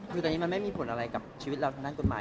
คือตอนนี้มันไม่มีผลอะไรกับชีวิตเราทางด้านกฎหมาย